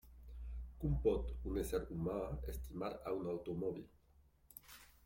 Com pot un ésser humà estimar a un automòbil?